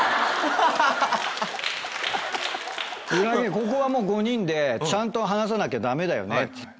「ここはもう５人でちゃんと話さなきゃダメだよね」っつって。